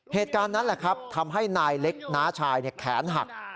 เหตุการณ์นั้นแหละครับทำให้นายเล็กน้าชายแขนหัก